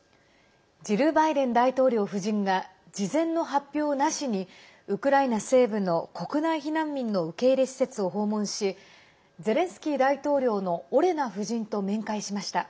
ジル・バイデン大統領夫人が事前の発表なしにウクライナ西部の国内避難民の受け入れ施設を訪問しゼレンスキー大統領のオレナ夫人と面会しました。